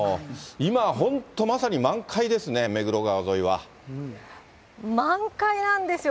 今は本当まさに満開ですね、満開なんですよ。